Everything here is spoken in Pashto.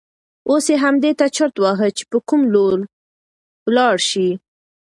اوس یې همدې ته چرت واهه چې په کوم لور ولاړ شي.